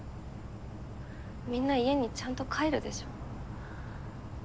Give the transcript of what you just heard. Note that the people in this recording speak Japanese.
みんな家にちゃんと帰るでしょ？